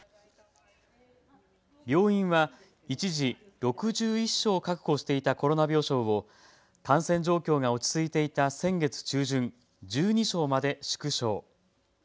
病院は一時、６１床確保していたコロナ病床を感染状況が落ち着いていた先月中旬、１２床まで縮小。